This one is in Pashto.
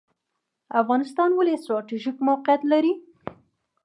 افغانستان ولې ستراتیژیک موقعیت لري؟